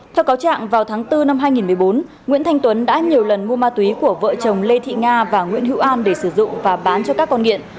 theo cáo trạng vào tháng bốn năm hai nghìn một mươi bốn nguyễn thanh tuấn đã nhiều lần mua ma túy của vợ chồng lê thị nga và nguyễn hữu an để sử dụng và bán cho các con nghiện